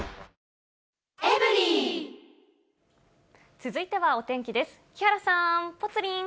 続いてはお天気です。